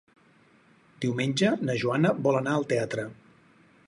Diumenge na Joana vol anar al teatre.